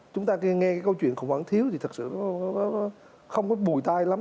chúng ta nghe câu chuyện khủng hoảng thiếu thì thật sự không có bùi tai lắm